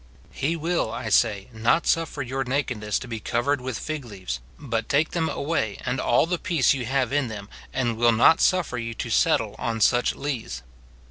He will, I say, not suffer your nakedness to be covered with fig leaves, but take them away, and all the peace you have in them, and will not suffer you to settle on such lees.